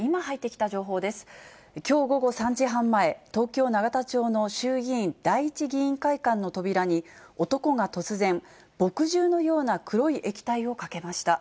きょう午後３時半前、東京・永田町の衆議院第１議員会館の扉に、男が突然、墨汁のような黒い液体をかけました。